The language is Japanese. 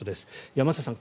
山下さん